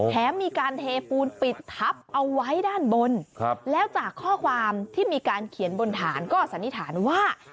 มีการเทปูนปิดทับเอาไว้ด้านบนแล้วจากข้อความที่มีการเขียนบนฐานก็สันนิษฐานว่า